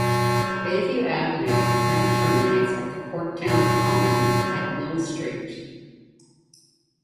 Bayview Avenue now terminates at the Corktown Common at Mill Street.